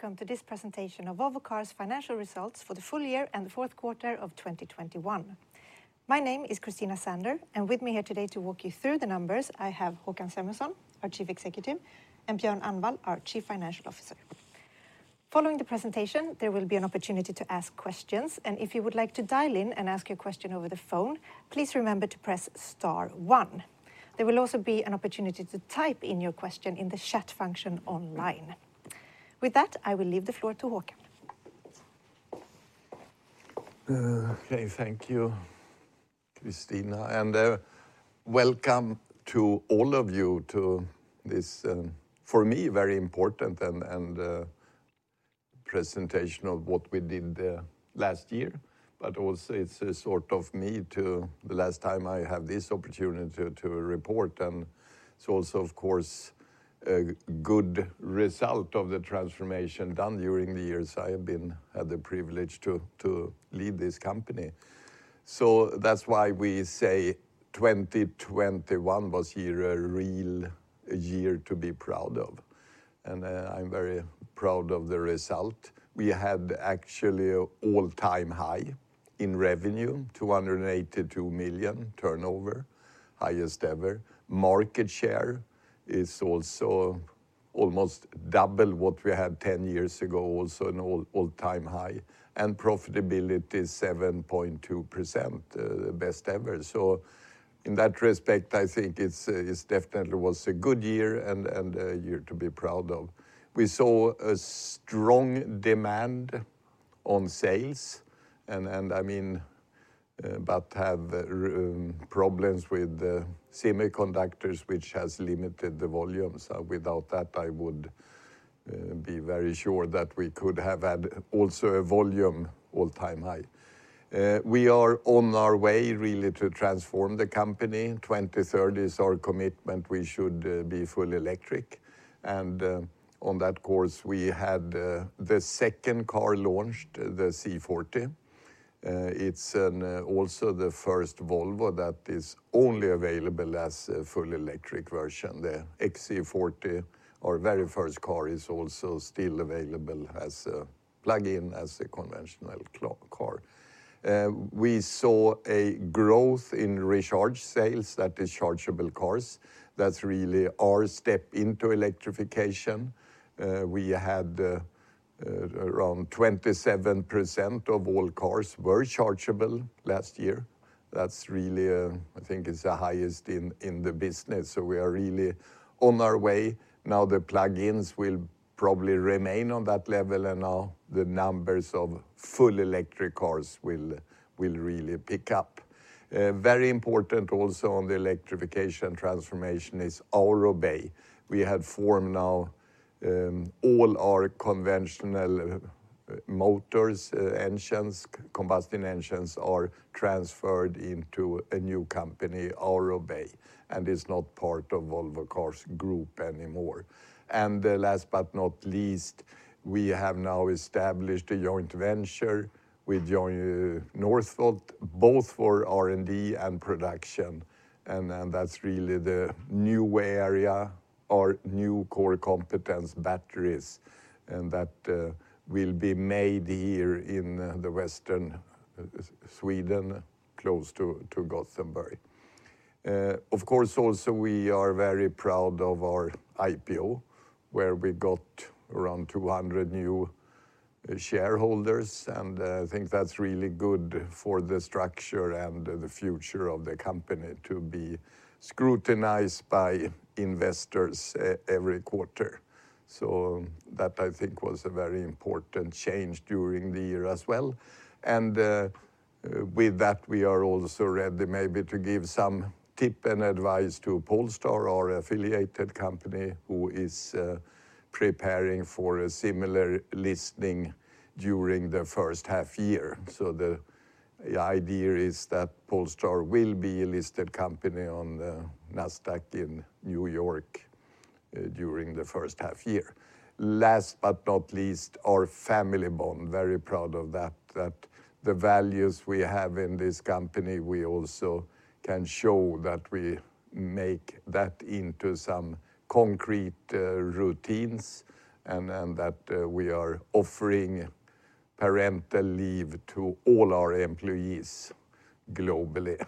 Welcome to this presentation of Volvo Cars financial results for the full-year and the fourth quarter of 2021. My name is Christina Sander, and with me here today to walk you through the numbers, I have Håkan Samuelsson, our Chief Executive, and Björn Annwall, our Chief Financial Officer. Following the presentation, there will be an opportunity to ask questions, and if you would like to dial in and ask your question over the phone, please remember to press star one. There will also be an opportunity to type in your question in the chat function online. With that, I will leave the floor to Håkan. Okay. Thank you, Christina, and welcome to all of you to this, for me, very important and presentation of what we did last year. It's also sort of my last time I have this opportunity to report. It's also, of course, a good result of the transformation done during the years I have had the privilege to lead this company. That's why we say 2021 was a real year to be proud of, and I'm very proud of the result. We had actually an all-time high in revenue, 282 million turnover, highest ever. Market share is also almost double what we had 10 years ago, also an all-time high. Profitability is 7.2%, the best ever. In that respect, I think it's definitely was a good year and a year to be proud of. We saw a strong demand on sales and I mean but have problems with the semiconductors, which has limited the volumes. Without that, I would be very sure that we could have had also a volume all-time high. We are on our way really to transform the company. 2030 is our commitment. We should be full electric. On that course, we had the second car launched, the C40. It's also the first Volvo that is only available as a full electric version. The XC40, our very first car, is also still available as a plug-in, as a conventional car. We saw a growth in Recharge sales, that is chargeable cars. That's really our step into electrification. We had around 27% of all cars were chargeable last year. That's really. I think it's the highest in the business. We are really on our way now. The plug-ins will probably remain on that level, and now the numbers of full electric cars will really pick up. Very important also on the electrification transformation is Aurobay. We have formed now all our conventional motors engines combustion engines are transferred into a new company, Aurobay, and it's not part of Volvo Cars group anymore. We have now established a joint venture with Northvolt, both for R&D and production. That's really the new area, our new core competence, batteries, and that will be made here in the western Sweden, close to Gothenburg. Of course, also, we are very proud of our IPO, where we got around 200 new shareholders, and I think that's really good for the structure and the future of the company to be scrutinized by investors every quarter. That I think was a very important change during the year as well. With that, we are also ready maybe to give some tip and advice to Polestar, our affiliated company, who is preparing for a similar listing during the first half year. The idea is that Polestar will be a listed company on the Nasdaq in New York during the first half year. Last but not least, our family bond, very proud of that the values we have in this company, we also can show that we make that into some concrete routines and that we are offering parental leave to all our employees globally.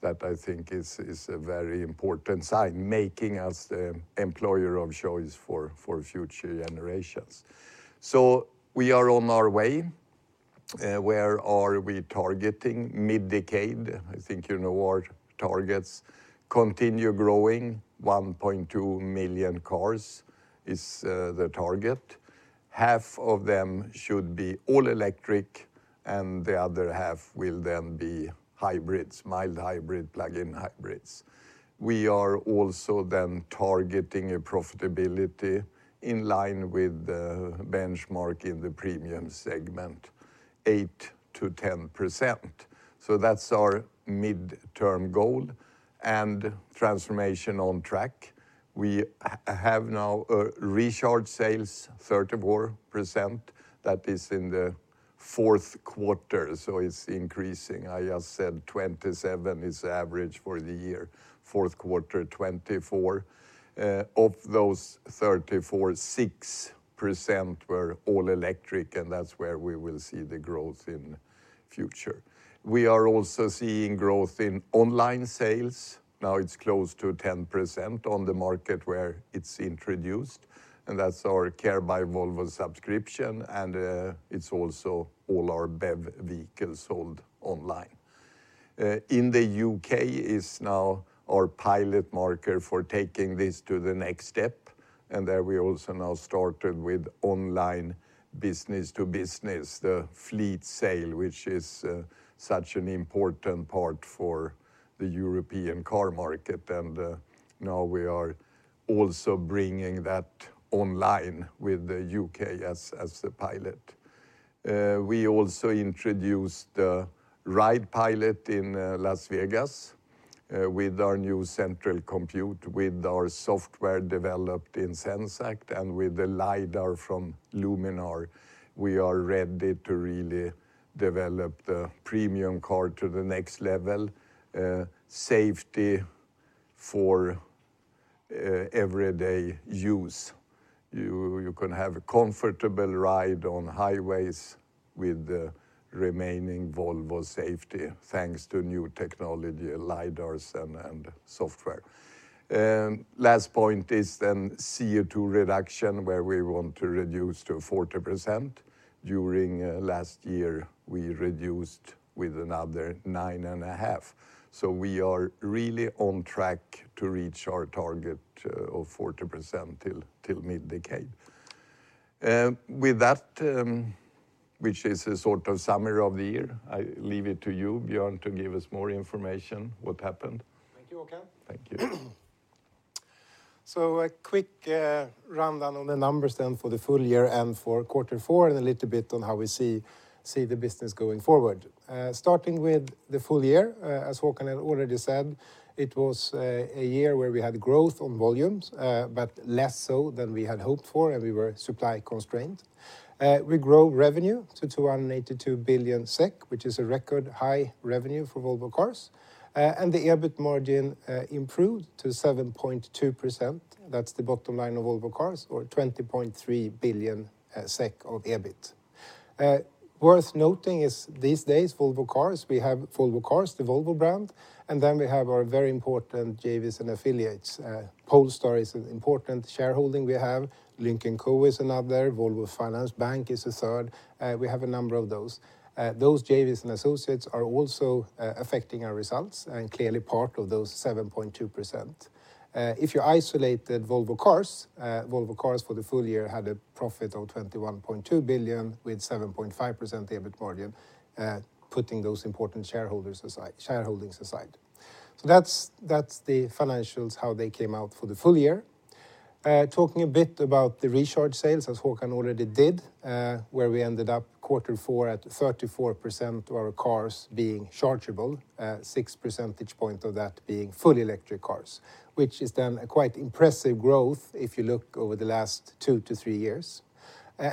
That I think is a very important sign making us the employer of choice for future generations. We are on our way. Where are we targeting? Mid-decade. I think you know our targets continue growing. 1.2 million cars is the target. Half of them should be all electric, and the other half will then be hybrids, mild hybrid, plug-in hybrids. We are also then targeting a profitability in line with the benchmark in the premium segment, 8%-10%. That's our midterm goal and transformation on track. We have now Recharge sales 34%. That is in the fourth quarter, so it's increasing. I just said 27% is average for the year, fourth quarter 24%. Of those 34%, 6% were all electric, and that's where we will see the growth in future. We are also seeing growth in online sales. Now it's close to 10% on the market where it's introduced, and that's our Care by Volvo subscription, and it's also all our BEV vehicles sold online. In the U.K. is now our pilot market for taking this to the next step, and there we also now started with online business-to-business, the fleet sale, which is such an important part for the European car market. Now we are also bringing that online with the U.K. as the pilot. We also introduced the Ride Pilot in Las Vegas with our new central compute, with our software developed in Zenseact and with the lidar from Luminar. We are ready to really develop the premium car to the next level, safety for everyday use. You can have a comfortable ride on highways with the remaining Volvo safety, thanks to new technology, lidars and software. Last point is CO2 reduction, where we want to reduce to 40%. During last year, we reduced with another 9.5%. We are really on track to reach our target of 40% till mid-decade. With that, which is a sort of summary of the year, I leave it to you, Björn, to give us more information what happened. Thank you, Håkan. Thank you. A quick rundown on the numbers then for the full-year and for quarter four and a little bit on how we see the business going forward. Starting with the full-year, as Håkan had already said, it was a year where we had growth on volumes, but less so than we had hoped for, and we were supply constrained. We grow revenue to 282 billion SEK, which is a record high revenue for Volvo Cars. The EBIT margin improved to 7.2%. That's the bottom line of Volvo Cars or 20.3 billion SEK of EBIT. Worth noting is these days, Volvo Cars, we have Volvo Cars, the Volvo brand, and then we have our very important JVs and affiliates. Polestar is an important shareholding we have. Lynk & Co is another. Volvo Finance Bank is a third. We have a number of those. Those JVs and associates are also affecting our results and clearly part of those 7.2%. If you isolated Volvo Cars, Volvo Cars for the full-year had a profit of 21.2 billion with 7.5% EBIT margin, putting those important shareholdings aside. That's the financials, how they came out for the full-year. Talking a bit about the recharge sales, as Håkan already did, where we ended up quarter four at 34% of our cars being rechargeable, six percentage points of that being fully electric cars, which is then a quite impressive growth if you look over the last two to three years.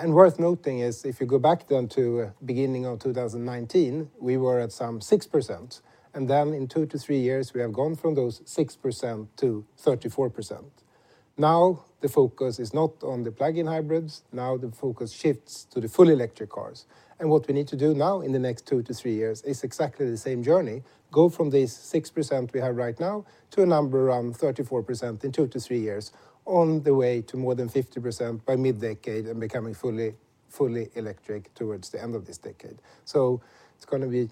Worth noting is if you go back then to beginning of 2019, we were at some 6%. In two to three years, we have gone from those 6% to 34%. Now, the focus is not on the plug-in hybrids. Now the focus shifts to the fully electric cars. What we need to do now in the next two to three years is exactly the same journey, go from this 6% we have right now to a number around 34% in two to three years on the way to more than 50% by mid-decade and becoming fully electric towards the end of this decade. It's gonna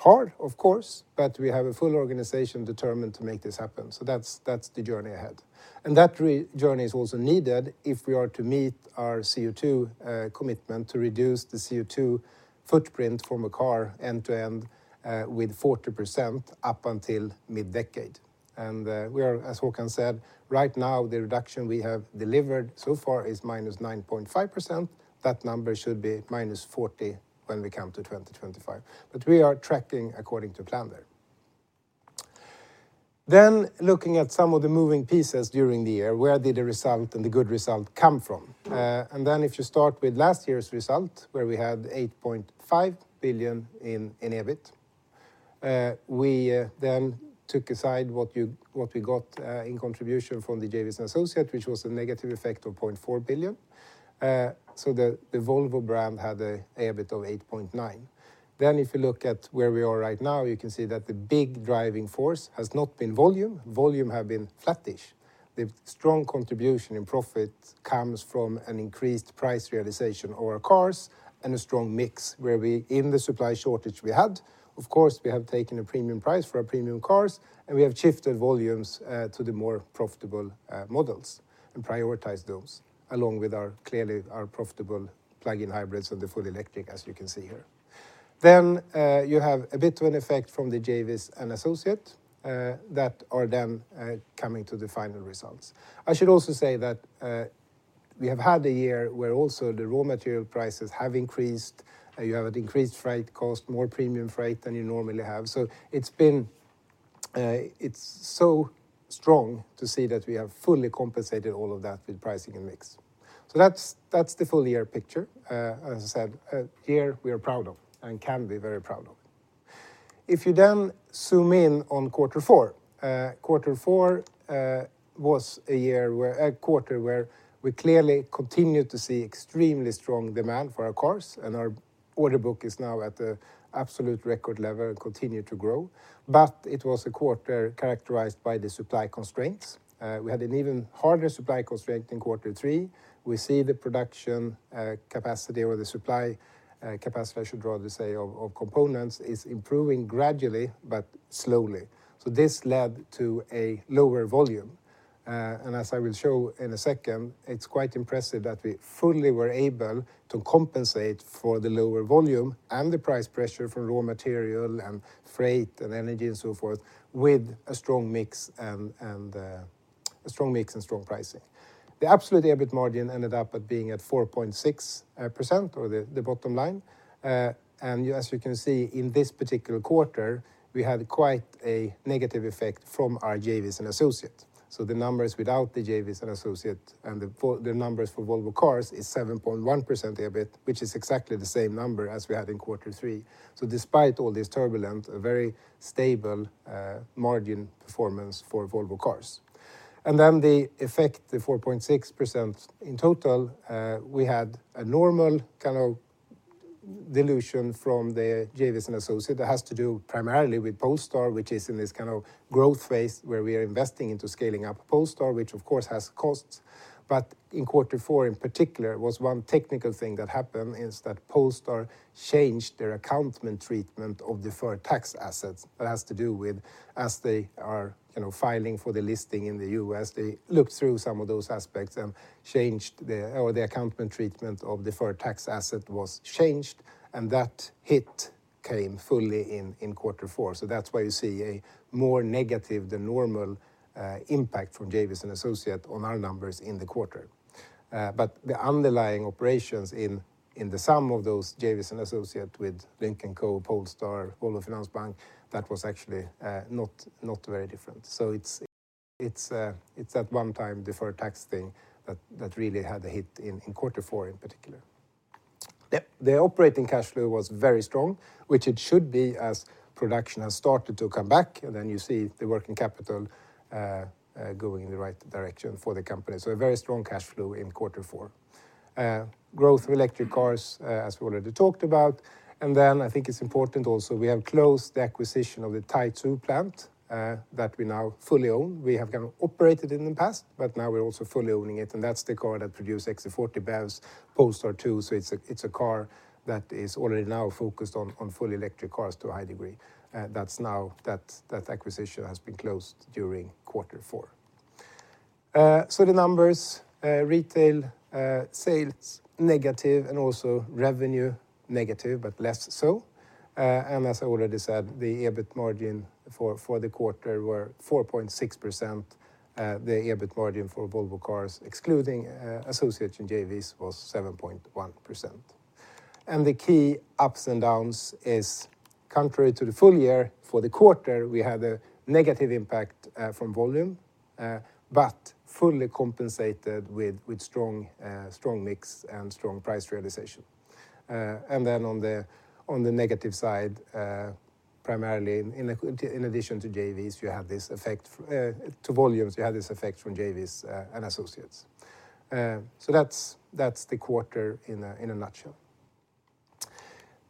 be hard, of course, but we have a full organization determined to make this happen. That's the journey ahead. That journey is also needed if we are to meet our CO2 commitment to reduce the CO2 footprint from a car end-to-end with 40% up until mid-decade. We are, as Håkan said, right now the reduction we have delivered so far is -9.5%. That number should be -40% when we come to 2025. We are tracking according to plan there. Looking at some of the moving pieces during the year, where did the result and the good result come from? If you start with last year's result, where we had 8.5 billion in EBIT, we then took aside what we got in contribution from the JVs and associate, which was a negative effect of 0.4 billion. The Volvo brand had an EBIT of 8.9 billion. If you look at where we are right now, you can see that the big driving force has not been volume. Volume have been flattish. The strong contribution in profit comes from an increased price realization of our cars and a strong mix where we, in the supply shortage we had, of course, we have taken a premium price for our premium cars, and we have shifted volumes to the more profitable models and prioritized those along with our clearly profitable plug-in hybrids and the full electric, as you can see here. You have a bit of an effect from the JVs and associates that are coming to the final results. I should also say that we have had a year where also the raw material prices have increased, you have an increased freight cost, more premium freight than you normally have. It's so strong to see that we have fully compensated all of that with pricing and mix. That's the full-year picture. As I said, a year we are proud of and can be very proud of. If you then zoom in on quarter four, a quarter where we clearly continued to see extremely strong demand for our cars, and our order book is now at an absolute record level and continued to grow. It was a quarter characterized by the supply constraints. We had an even harder supply constraint in quarter three. We see the production capacity or the supply capacity, I should rather say, of components is improving gradually but slowly. This led to a lower volume, and as I will show in a second, it's quite impressive that we fully were able to compensate for the lower volume and the price pressure from raw material and freight and energy and so forth with a strong mix and strong pricing. The absolute EBIT margin ended up at being at 4.6% or the bottom line. As you can see in this particular quarter, we had quite a negative effect from our JVs and associates. The numbers without the JVs and associates, the numbers for Volvo Cars is 7.1% EBIT, which is exactly the same number as we had in quarter three. Despite all this turbulence, a very stable margin performance for Volvo Cars. The effect, the 4.6% in total, we had a normal kind of dilution from the JVs and associates that has to do primarily with Polestar, which is in this kind of growth phase where we are investing into scaling up Polestar, which of course has costs. In quarter four in particular, one technical thing that happened is that Polestar changed their accounting treatment of deferred tax assets. That has to do with as they are, you know, filing for the listing in the U.S., they looked through some of those aspects and changed, or the accounting treatment of deferred tax asset was changed, and that hit came fully in quarter four. That's why you see a more negative than normal impact from JVs and associates on our numbers in the quarter. The underlying operations in the sum of those JVs and associates with Lynk & Co, Polestar, Volvo Car Financial Services, that was actually not very different. It's that one-time deferred tax thing that really had a hit in quarter four in particular. The operating cash flow was very strong, which it should be as production has started to come back, and then you see the working capital going in the right direction for the company. A very strong cash flow in quarter four. Growth of electric cars as we already talked about. I think it's important also, we have closed the acquisition of the Taizhou plant that we now fully own. We have kind of operated it in the past, but now we're also fully owning it, and that's the plant that produced XC40 BEVs, Polestar two. It's a plant that is already now focused on fully electric cars to a high degree. That acquisition has been closed during quarter four. The numbers, retail sales negative and also revenue negative, but less so. As I already said, the EBIT margin for the quarter were 4.6%. The EBIT margin for Volvo Cars, excluding associates and JVs, was 7.1%. The key ups and downs is contrary to the full-year, for the quarter, we had a negative impact from volume but fully compensated with strong mix and strong price realization. On the negative side, primarily, in addition to JVs, you have this effect from volumes, you have this effect from JVs and associates. That's the quarter in a nutshell.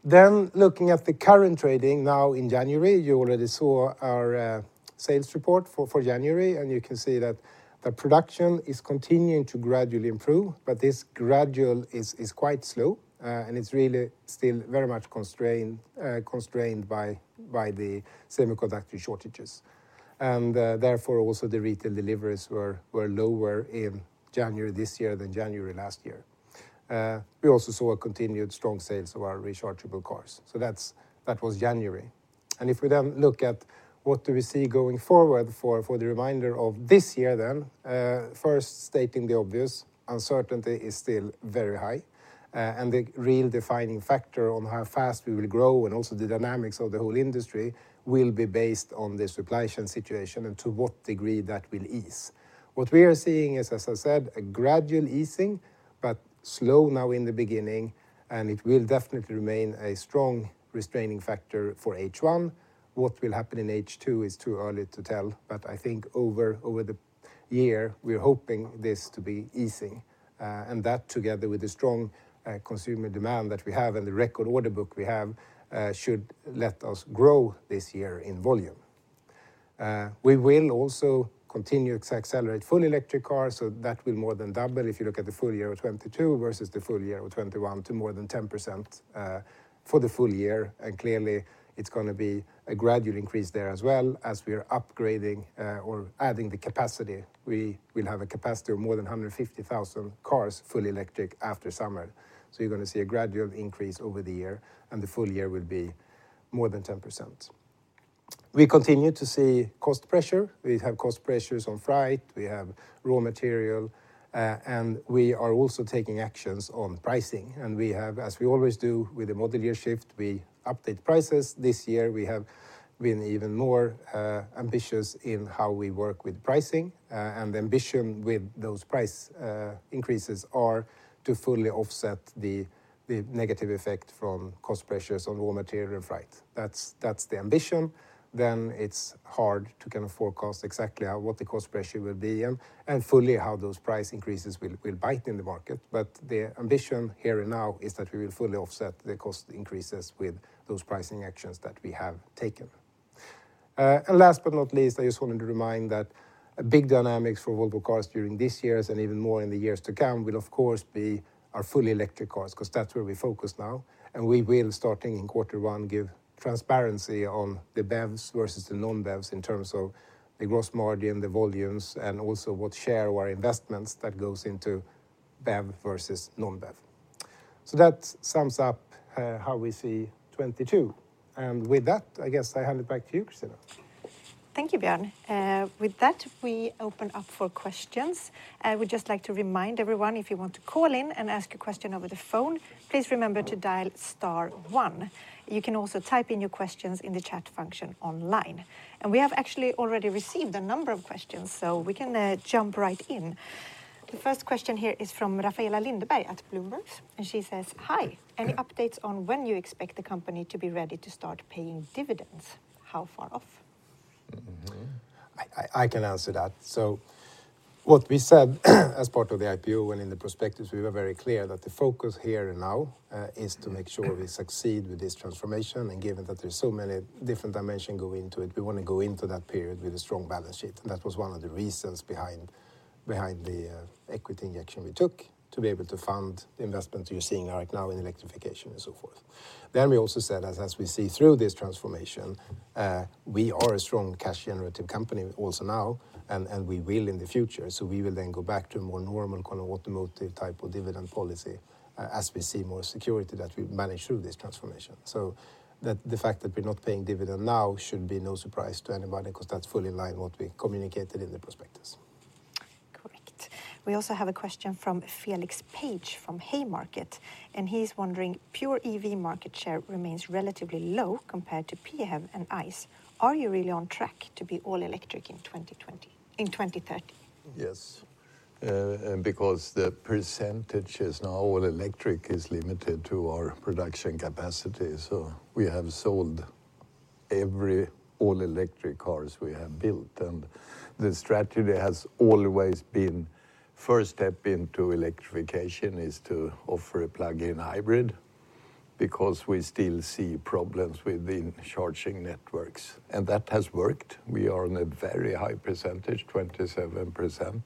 Looking at the current trading now in January, you already saw our sales report for January, and you can see that the production is continuing to gradually improve, but this gradual is quite slow, and it's really still very much constrained by the semiconductor shortages. Therefore, also the retail deliveries were lower in January this year than January last year. We also saw a continued strong sales of our rechargeable cars. That was January. If we then look at what do we see going forward for the remainder of this year then, first stating the obvious, uncertainty is still very high, and the real defining factor on how fast we will grow and also the dynamics of the whole industry will be based on the supply chain situation and to what degree that will ease. What we are seeing is, as I said, a gradual easing, but slow now in the beginning, and it will definitely remain a strong restraining factor for H1. What will happen in H2 is too early to tell, but I think over the year, we're hoping this to be easing. That together with the strong consumer demand that we have and the record order book we have should let us grow this year in volume. We will also continue to accelerate full electric cars, so that will more than double if you look at the full-year of 2022 versus the full-year of 2021 to more than 10%, for the full-year. Clearly, it's gonna be a gradual increase there as well as we are upgrading or adding the capacity. We will have a capacity of more than 150,000 cars, fully electric, after summer. You're gonna see a gradual increase over the year, and the full-year will be more than 10%. We continue to see cost pressure. We have cost pressures on freight, we have raw material, and we are also taking actions on pricing. We have, as we always do with the model year shift, we update prices. This year we have been even more ambitious in how we work with pricing. The ambition with those price increases are to fully offset the negative effect from cost pressures on raw material and freight. That's the ambition, then it's hard to kind of forecast exactly how what the cost pressure will be and fully how those price increases will bite in the market. The ambition here and now is that we will fully offset the cost increases with those pricing actions that we have taken. Last but not least, I just wanted to remind that a big dynamics for Volvo Cars during this years and even more in the years to come will of course be our fully electric cars, 'cause that's where we focus now. We will, starting in quarter one, give transparency on the BEVs versus the non-BEVs in terms of the gross margin, the volumes, and also what share our investments that goes into BEV versus non-BEV. That sums up how we see 2022. With that, I guess I hand it back to you, Christina. Thank you, Björn. With that we open up for questions. I would just like to remind everyone, if you want to call in and ask a question over the phone, please remember to dial star one. You can also type in your questions in the chat function online. We have actually already received a number of questions, so we can jump right in. The first question here is from Rafaella Lindeberg at Bloomberg, and she says, "Hi. Any updates on when you expect the company to be ready to start paying dividends? How far off? Mm-hmm. I can answer that. What we said as part of the IPO and in the prospects, we were very clear that the focus here and now is to make sure we succeed with this transformation. Given that there's so many different dimensions go into it, we wanna go into that period with a strong balance sheet. That was one of the reasons behind the equity injection we took to be able to fund the investment you're seeing right now in electrification and so forth. We also said, as we see through this transformation, we are a strong cash generative company also now, and we will in the future. We will then go back to a more normal kind of automotive type of dividend policy as we see more security that we manage through this transformation. The fact that we're not paying dividend now should be no surprise to anybody 'cause that's fully in line with what we communicated in the prospectus. Correct. We also have a question from Felix Page from Haymarket, and he's wondering, "Pure EV market share remains relatively low compared to PHEV and ICE. Are you really on track to be all electric in 2030? Yes. Because the percentage is now all electric is limited to our production capacity. We have sold every all electric cars we have built. The strategy has always been first step into electrification is to offer a plug-in hybrid because we still see problems with the charging networks. That has worked. We are on a very high percentage, 27%,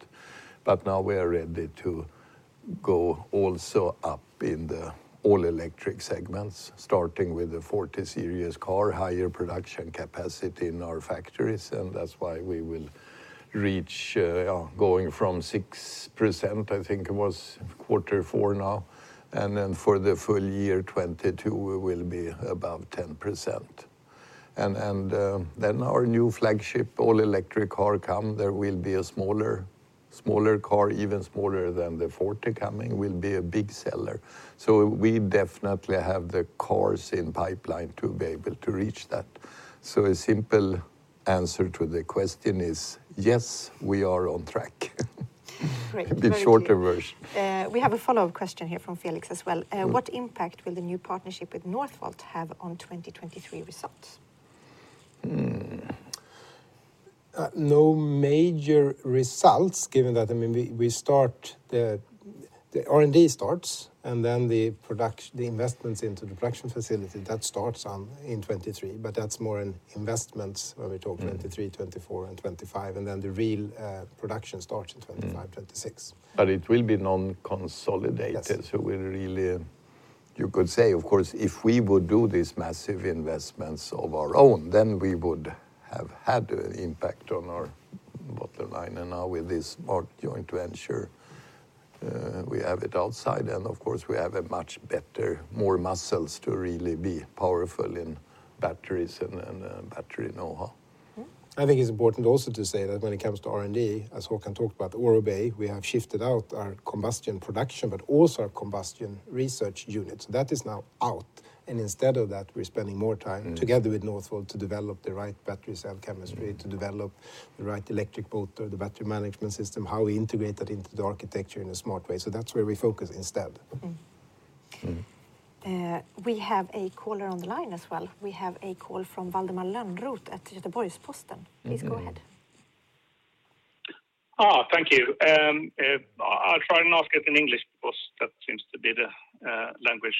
but now we are ready to go also up in the all electric segments, starting with the 40 series car, higher production capacity in our factories, and that's why we will reach, going from 6% I think it was quarter four now. Then for thefull-year 2022, we will be above 10%. Our new flagship all-electric car, there will be a smaller car, even smaller than the 40 coming, will be a big seller. We definitely have the cars in the pipeline to be able to reach that. A simple answer to the question is, yes, we are on track. Great. The shorter version. We have a follow-up question here from Felix as well. Mm-hmm. What impact will the new partnership with Northvolt have on 2023 results? No major results given that, I mean, the R&D starts and then the investments into the production facility, that starts in 2023. That's more in investments where we talk- Mm-hmm 2023, 2024, and 2025. The real production starts in 2025, 2026. It will be non-consolidated. Yes. We really, you could say, of course, if we would do these massive investments of our own, then we would have had impact on our bottom line. Now with this more joint venture, we have it outside and of course we have a much better, more muscles to really be powerful in batteries and battery know-how. Mm-hmm. I think it's important also to say that when it comes to R&D, as Håkan talked about, Aurobay, we have shifted out our combustion production, but also our combustion research unit. That is now out. Instead of that, we're spending more time- Mm-hmm together with Northvolt to develop the right battery cell chemistry. Mm-hmm... to develop the right electric motor, the battery management system, how we integrate that into the architecture in a smart way. That's where we focus instead. Mm-hmm. Mm-hmm. We have a caller on the line as well. We have a call from Valdemar Lönnroth at Göteborgs-Posten. Mm-hmm. Please go ahead. Thank you. I'll try and ask it in English because that seems to be the language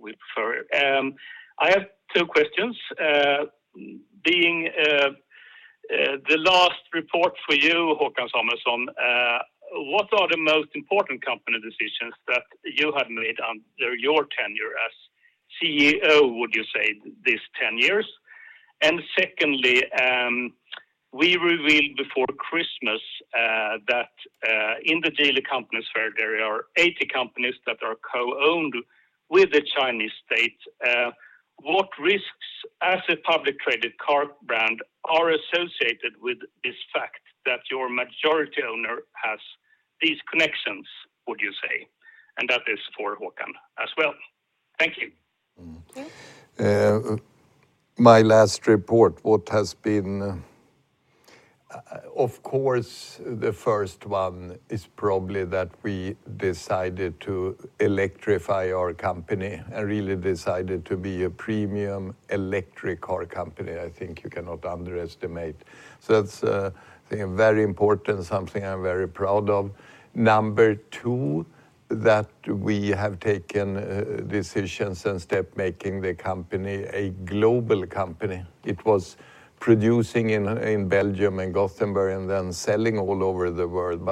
we prefer. I have two questions. Being the last report for you, Håkan Samuelsson, what are the most important company decisions that you have made under your tenure as CEO, would you say, this 10 years? Secondly, we revealed before Christmas. In the Geely companies where there are 80 companies that are co-owned with the Chinese state, what risks as a publicly traded car brand are associated with this fact that your majority owner has these connections, would you say? That is for Håkan as well. Thank you. Mm-hmm. Okay. In my last report, what has been of course the first one is probably that we decided to electrify our company and really decided to be a premium electric car company. I think you cannot underestimate. That's, I think a very important, something I'm very proud of. Number two, that we have taken decisions and step making the company a global company. It was producing in Belgium and Gothenburg and then selling all over the world.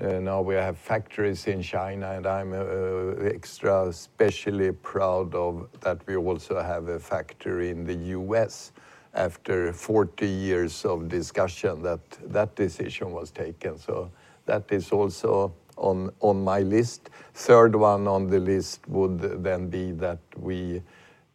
Now we have factories in China, and I'm especially proud that we also have a factory in the U.S. after 40 years of discussion that decision was taken. That is also on my list. Third one on the list would then be that we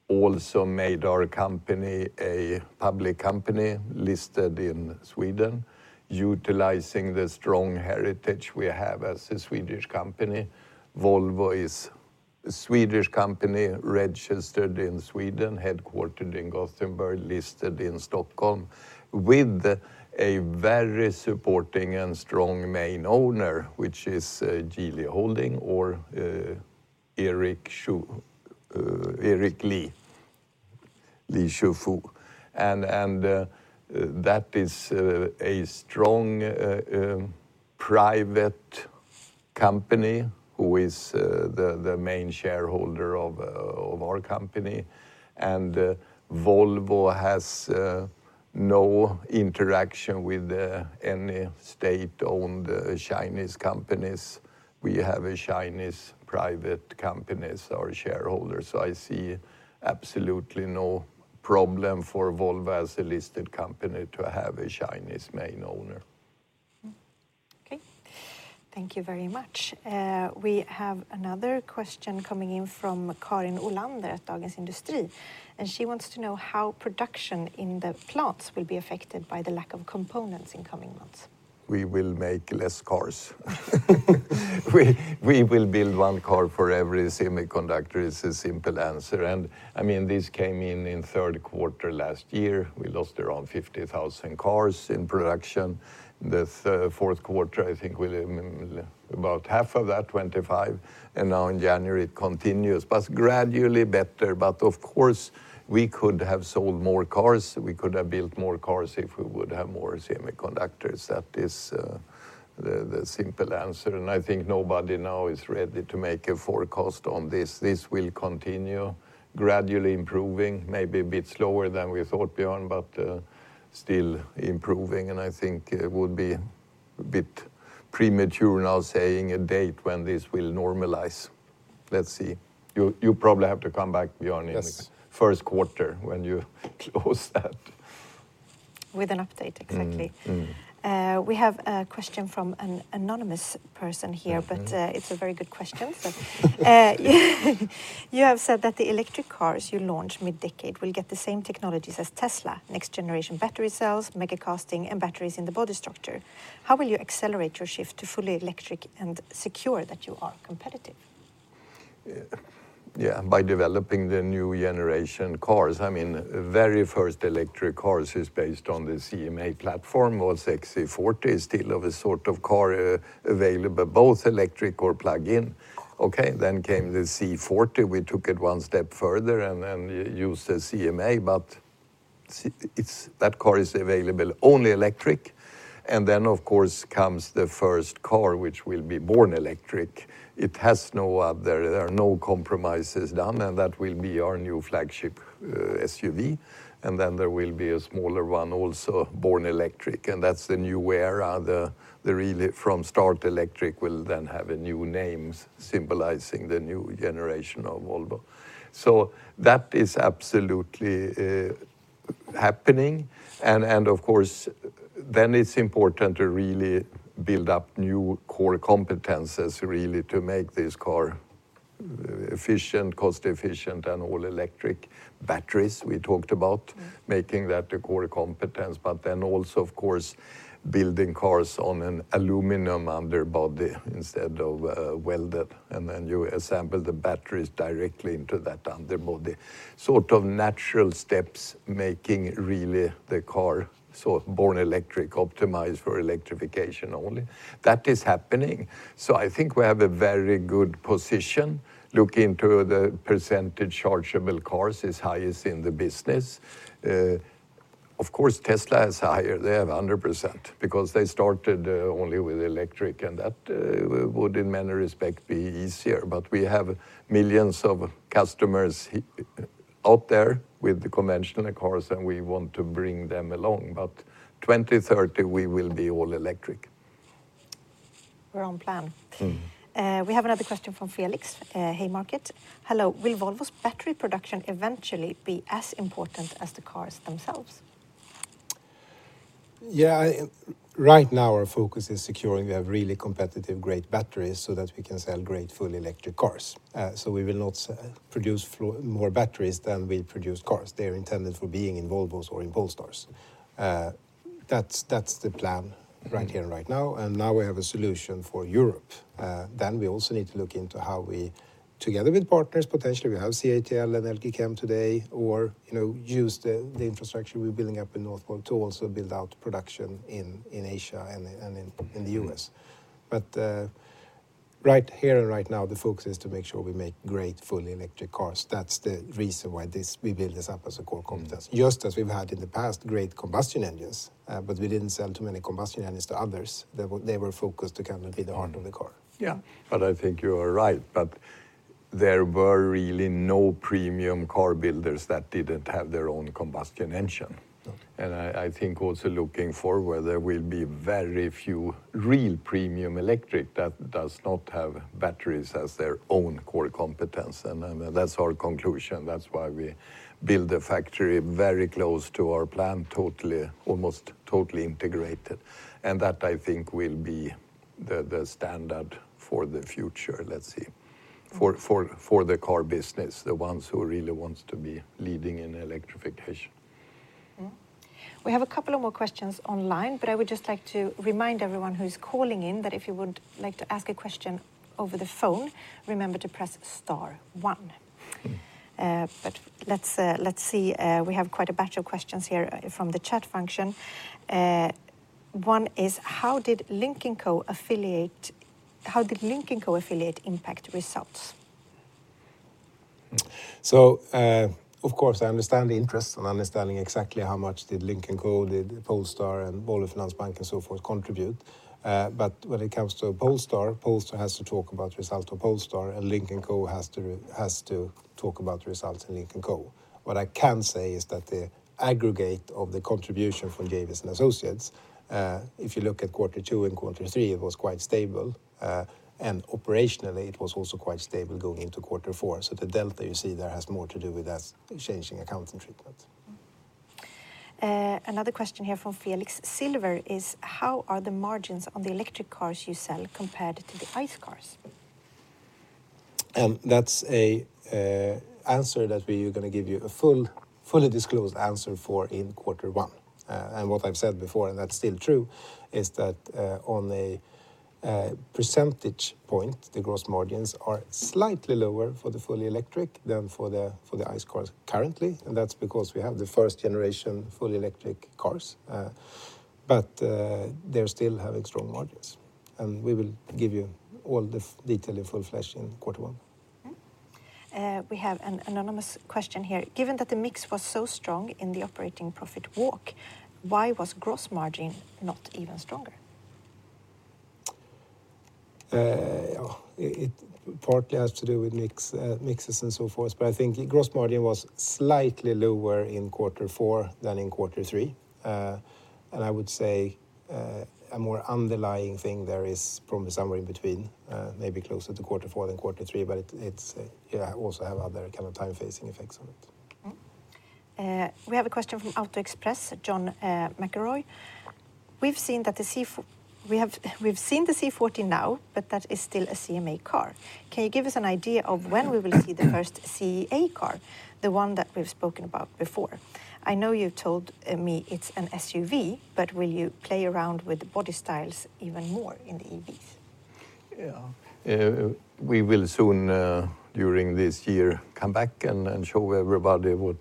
also made our company a public company listed in Sweden, utilizing the strong heritage we have as a Swedish company. Volvo is a Swedish company registered in Sweden, headquartered in Gothenburg, listed in Stockholm, with a very supporting and strong main owner, which is Geely Holding or Eric Li Shufu. That is a strong private company who is the main shareholder of our company. Volvo has no interaction with any state-owned Chinese companies. We have a Chinese private company as our shareholder. I see absolutely no problem for Volvo as a listed company to have a Chinese main owner. Okay. Thank you very much. We have another question coming in from Karin Olander at Dagens Industri, and she wants to know how production in the plants will be affected by the lack of components in coming months. We will make less cars. We will build one car for every semiconductor is a simple answer. I mean, this came in in third quarter last year. We lost around 50,000 cars in production. Fourth quarter, I think we lost about half of that, 25, and now in January it continues, but gradually better. Of course, we could have sold more cars, we could have built more cars if we would have more semiconductors. That is the simple answer, and I think nobody now is ready to make a forecast on this. This will continue gradually improving, maybe a bit slower than we thought, Björn, but still improving, and I think it would be a bit premature now saying a date when this will normalize. Let's see. You probably have to come back, Björn. Yes in first quarter when you close that. With an update, exactly. Mm-hmm. Mm-hmm. We have a question from an anonymous person here. Okay... it's a very good question. You have said that the electric cars you launch mid-decade will get the same technologies as Tesla, next generation battery cells, mega casting, and batteries in the body structure. How will you accelerate your shift to fully electric and secure that you are competitive? Yeah. By developing the new generation cars. I mean, very first electric cars is based on the CMA platform or XC40, still of a sort of car available, both electric or plug-in. Okay? Came the C40. We took it one step further and use the CMA, but it's that car is available only electric. Of course comes the first car which will be born electric. It has no there are no compromises done, and that will be our new flagship SUV. There will be a smaller one also born electric, and that's the new era. The really from start electric will then have new names symbolizing the new generation of Volvo. That is absolutely happening. Of course it's important to really build up new core competencies really to make this car efficient, cost-efficient, and all-electric batteries we talked about. Mm-hmm making that a core competence. Also of course building cars on an aluminum underbody instead of welded, and then you assemble the batteries directly into that underbody. Sort of natural steps making really the car sort of born electric, optimized for electrification only. That is happening. I think we have a very good position. Look into the percentage chargeable cars is highest in the business. Of course, Tesla is higher. They have 100% because they started only with electric, and that would in many respects be easier. We have millions of customers out there with the conventional cars, and we want to bring them along. 2030, we will be all electric. We're on plan. Mm-hmm. We have another question from Felix. "Hey, Market. Hello. Will Volvo's battery production eventually be as important as the cars themselves? Yeah, right now our focus is securing we have really competitive great batteries so that we can sell great fully electric cars. We will not produce more batteries than we produce cars. They are intended for being in Volvos or in Polestars. That's the plan right here and right now, and now we have a solution for Europe. We also need to look into how we, together with partners, potentially we have CATL and LG Chem today, or, you know, use the infrastructure we're building up in Northvolt to also build out production in Asia and in the U.S. Right here and right now, the focus is to make sure we make great fully electric cars. That's the reason why we build this up as a core competence. Just as we've had in the past, great combustion engines, but we didn't sell too many combustion engines to others. They were focused to kind of be the heart of the car. Yeah. I think you are right. There were really no premium car builders that didn't have their own combustion engine. No. I think also looking forward, there will be very few real premium electric that does not have batteries as their own core competence. That's our conclusion. That's why we build a factory very close to our plant, almost totally integrated. That I think will be the standard for the future, let's say, for the car business, the ones who really wants to be leading in electrification. Mm-hmm. We have a couple of more questions online, but I would just like to remind everyone who's calling in that if you would like to ask a question over the phone, remember to press star one. Mm-hmm. Let's see. We have quite a batch of questions here from the chat function. One is, how did Lynk & Co affiliate impact results? Of course, I understand the interest and understanding exactly how much did Lynk & Co, Polestar, and Volvo Car Financial Services, and so forth contribute. When it comes to Polestar has to talk about results of Polestar, and Lynk & Co has to talk about results of Lynk & Co. What I can say is that the aggregate of the contribution from Geely and associates, if you look at quarter two and quarter three, it was quite stable. Operationally, it was also quite stable going into quarter four. The delta you see there has more to do with us changing accounting treatments. Another question here from Felix Page is, how are the margins on the electric cars you sell compared to the ICE cars? That's an answer that we are gonna give you a fully disclosed answer for in quarter one. What I've said before, and that's still true, is that on a percentage point, the gross margins are slightly lower for the fully electric than for the ICE cars currently. That's because we have the first generation fully electric cars. But they're still having strong margins. We will give you all the detail in full flesh in quarter one. We have an anonymous question here. Given that the mix was so strong in the operating profit walk, why was gross margin not even stronger? It partly has to do with mix, mixes and so forth, but I think gross margin was slightly lower in quarter four than in quarter three. I would say a more underlying thing there is probably somewhere in between, maybe closer to quarter four than quarter three, but it's you also have other kind of time-phasing effects on it. We have a question from Auto Express, John McElroy. We've seen the C40 now, but that is still a CMA car. Can you give us an idea of when we will see the first SPA car, the one that we've spoken about before? I know you told me it's an SUV, but will you play around with the body styles even more in the EVs? Yeah. We will soon, during this year, come back and show everybody what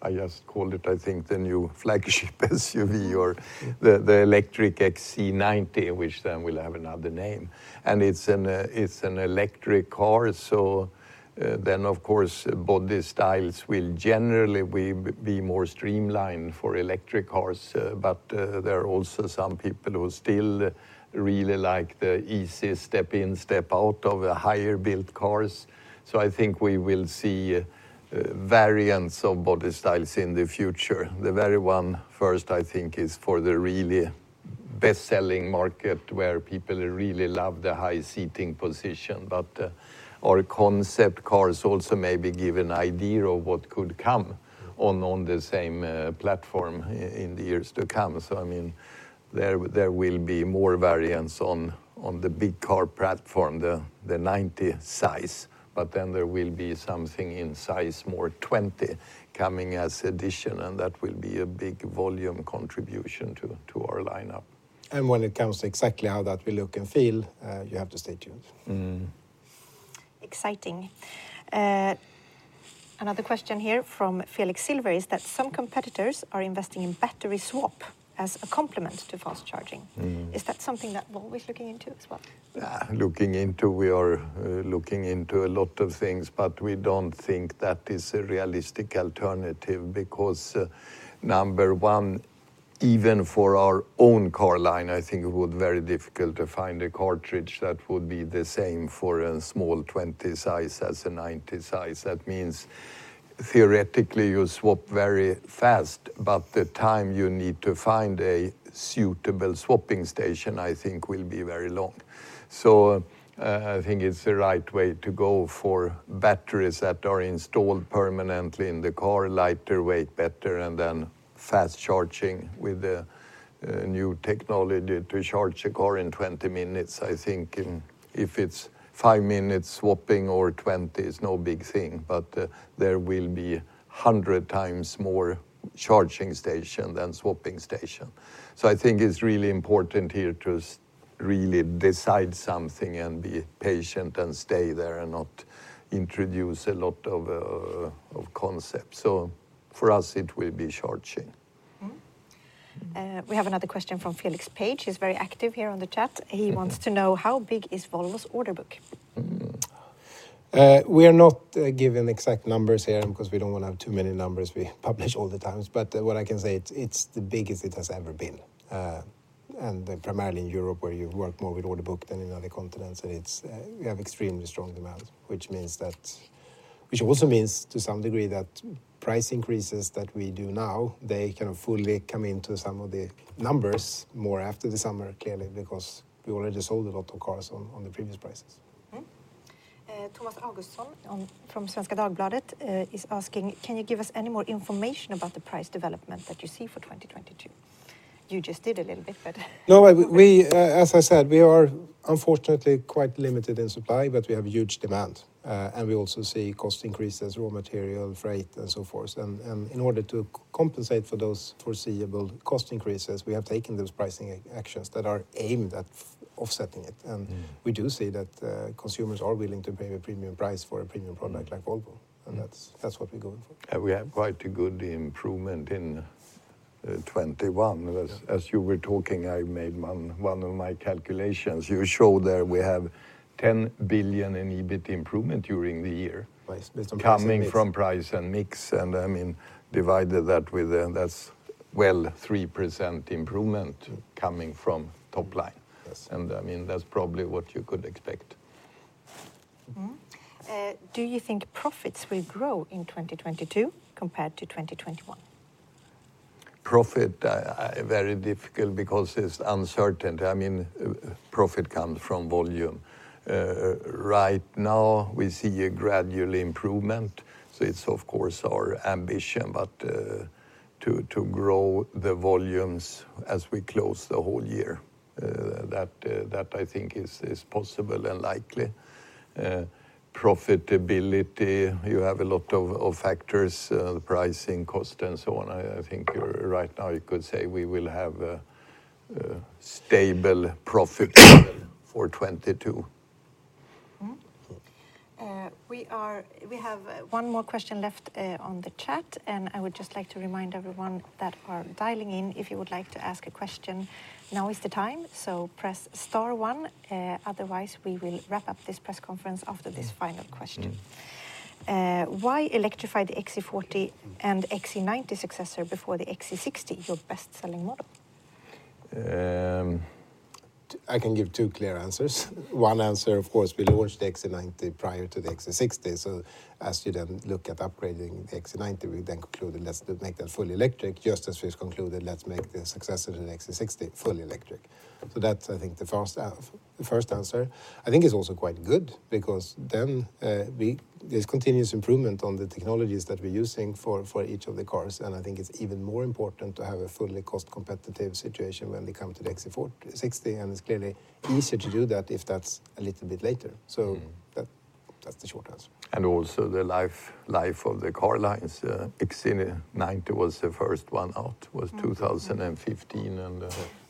I just called it, I think, the new flagship SUV or the electric XC90, which then will have another name. It's an electric car. Of course, body styles will generally be more streamlined for electric cars. There are also some people who still really like the easy step in, step out of the higher built cars. I think we will see variants of body styles in the future. The very first one, I think, is for the really best-selling market where people really love the high seating position. Our concept cars also maybe give an idea of what could come on the same platform in the years to come. I mean, there will be more variants on the big car platform, the ninety size, but then there will be something in size more twenty coming as addition, and that will be a big volume contribution to our lineup. When it comes to exactly how that will look and feel, you have to stay tuned. Mm-hmm. Exciting. Another question here from Felix Page is that some competitors are investing in battery swap as a complement to fast charging. Mm-hmm. Is that something that Volvo is looking into as well? We are looking into a lot of things, but we don't think that is a realistic alternative because number one, even for our own car line, I think it would be very difficult to find a cartridge that would be the same for a small 20 size as a 90 size. That means theoretically, you swap very fast, but the time you need to find a suitable swapping station, I think will be very long. I think it's the right way to go for batteries that are installed permanently in the car, lighter weight, better, and then fast charging with the new technology to charge a car in 20 minutes. I think if it's five minutes swapping or 20, it's no big thing. There will be 100 times more charging stations than swapping stations. I think it's really important here to really decide something and be patient and stay there and not introduce a lot of concepts. For us, it will be charging. We have another question from Felix Page. He's very active here on the chat. He wants to know, how big is Volvo's order book? Mm. We are not giving exact numbers here because we don't want to have too many numbers we publish all the time. What I can say, it's the biggest it has ever been. Primarily in Europe, where you work more with order book than in other continents, and we have extremely strong demand. Which also means, to some degree, that price increases that we do now, they can fully come into some of the numbers more after the summer, clearly, because we already sold a lot of cars on the previous prices. Tomas Augustsson from Svenska Dagbladet is asking, can you give us any more information about the price development that you see for 2022? You just did a little bit, but. No, as I said, we are unfortunately quite limited in supply, but we have huge demand. We also see cost increases, raw material, freight, and so forth. In order to compensate for those foreseeable cost increases, we have taken those pricing actions that are aimed at offsetting it. Mm. We do see that, consumers are willing to pay a premium price for a premium product like Volvo. Mm. That's what we're going for. We have quite a good improvement in 2021. As you were talking, I made one of my calculations. You show there we have 10 billion in EBIT improvement during the year. Price, it's price and mix. Coming from price and mix, and I mean, divided that with, that's well 3% improvement. Mm. coming from top line. Yes. I mean, that's probably what you could expect. Do you think profits will grow in 2022 compared to 2021? Profit very difficult because it's uncertain. I mean, profit comes from volume. Right now we see a gradual improvement, so it's of course our ambition. To grow the volumes as we close the whole year, that I think is possible and likely. Profitability, you have a lot of factors, the pricing, cost, and so on. I think you're right. Now you could say we will have stable profitability for 2022. We have one more question left on the chat. I would just like to remind everyone that are dialing in, if you would like to ask a question, now is the time. Press star one. Otherwise, we will wrap up this press conference after this final question. Mm. Why electrify the XC40 and XC90 successor before the XC60, your best-selling model? Um. I can give two clear answers. One answer, of course, we launched the XC90 prior to the XC60. As you then look at upgrading the XC90, we then concluded let's make that fully electric, just as we've concluded let's make the successor of the XC60 fully electric. That's, I think, the first answer. I think it's also quite good because then there's continuous improvement on the technologies that we're using for each of the cars. I think it's even more important to have a fully cost-competitive situation when we come to the XC40, 60. It's clearly easier to do that if that's a little bit later. Mm. That, that's the short answer. The life of the car lines. XC90 was the first one out in 2015.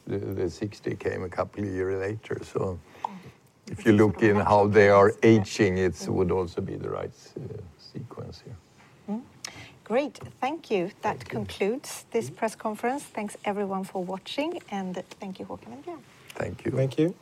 The XC60 came a couple years later. If you look at how they are aging, it would also be the right sequence, yeah. Great. Thank you. Thank you. That concludes this press conference. Thanks everyone for watching. Thank you Håkan and Björn. Thank you. Thank you.